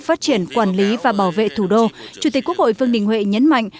phát triển quản lý và bảo vệ thủ đô chủ tịch quốc hội vương đình huệ nhấn mạnh